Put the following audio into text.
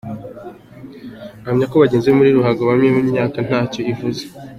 Ahamya ko bageze mu rugo yabonye imyaka ntacyo ivuze.